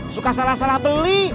suka salah salah beli